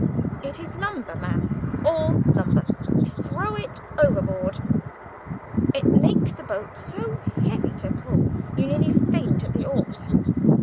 It is lumber, man—all lumber! Throw it overboard. It makes the boat so heavy to pull, you nearly faint at the oars.